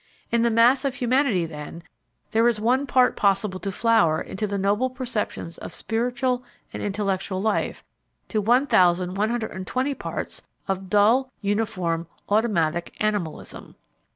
In the mass of humanity, then, there is one part possible to flower into the noble perceptions of spiritual and intellectual life, to 1,120 parts of dull, uniform, automatic animalism.